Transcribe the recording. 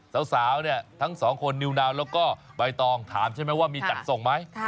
สาวเนี่ยทั้งสองคนนิวนาวแล้วก็ใบตองถามใช่ไหมว่ามีจัดส่งไหม